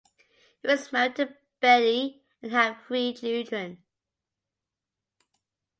He was married to Betty and had three children.